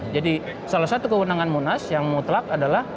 jadi salah satu kewenangan munas yang mutlak adalah